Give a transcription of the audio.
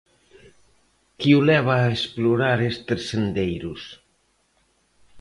Que o leva a explorar estes sendeiros?